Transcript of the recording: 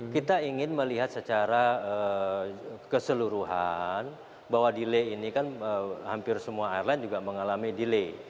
kita ingin melihat secara keseluruhan bahwa delay ini kan hampir semua airline juga mengalami delay